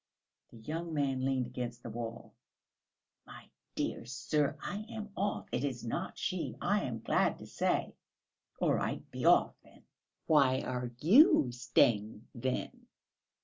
The young man leaned against the wall. "My dear sir, I am off. It is not she, I am glad to say." "All right! Be off, then!" "Why are you staying, then?"